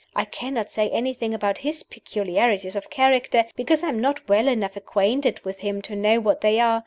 I cannot say anything about his peculiarities of character, because I am not well enough acquainted with him to know what they are.